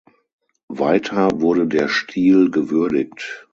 Weiter wurde der Stil gewürdigt.